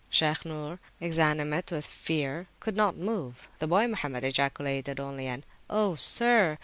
Shaykh Nur, exanimate with fear, could not move. The boy Mohammed ejaculated only an Oh, sir!